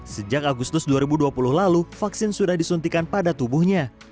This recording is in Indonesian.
sejak agustus dua ribu dua puluh lalu vaksin sudah disuntikan pada tubuhnya